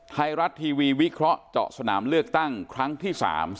ไทยรัฐทีวีวิเคราะห์เจาะสนามเลือกตั้งครั้งที่๓